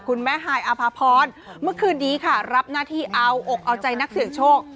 คุณแม่ฮายอภาพรเมื่อคืนนี้ค่ะรับหน้าที่เอาอกเอาใจนักเสี่ยงโชค